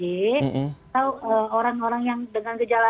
atau orang orang yang dengan gejala